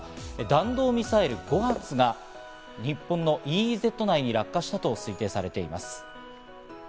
弾道ミサイル５発が日本のＥＥＺ内に落下したと推定されています。